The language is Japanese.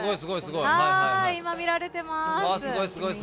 今、見られてます。